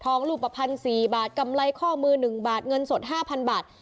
ท้องลูปภัณฑ์สี่บาทกำไรข้อมือหนึ่งบาทเงินสดห้าพันบาท